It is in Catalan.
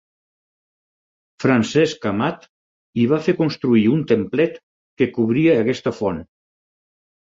Francesc Amat hi va fer construir un templet que cobria aquesta font.